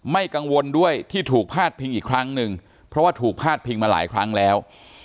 ไม่กังวลด้วยที่ถูกพาดพิงอีกครั้งหนึ่งเพราะว่าถูกพาดพิงมาหลายครั้งแล้ว